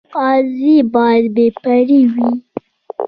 قاضي باید بې پرې وي